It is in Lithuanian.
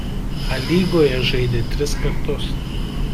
A lygoje žaidė tris kartus.